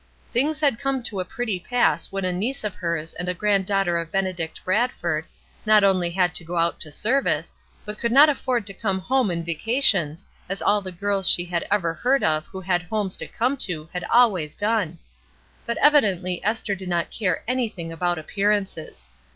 "Things had come to a pretty pass when a niece of hers and a granddaughter of Benedict Bradford, not only 282 ESTER RIED'S NAMESAKE had to go out to service, but could not afford to come home in vacations, as all the girls she had ever heard of who had homes to come to had always done. But evidently Esther did not care anything about appearances.